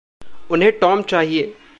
उन्हें टॉम चाहिए।